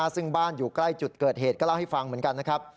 ซึ่งบ้านอยู่ใกล้จุดเกิดเหตุก็เล่าให้ฟังเหมือนกันนะครับ